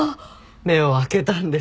目を開けたんです。